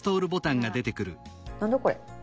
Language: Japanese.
何だこれ？